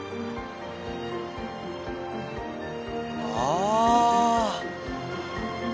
ああ！